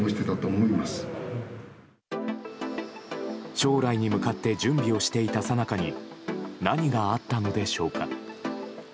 将来に向かって準備をしていたさなかに何があったのでしょうか。